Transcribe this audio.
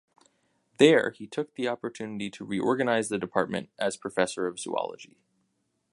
There, he took the opportunity to reorganize the department as professor of zoology.